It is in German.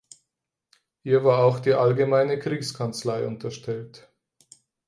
Ihr war auch die allgemeine Kriegskanzlei unterstellt.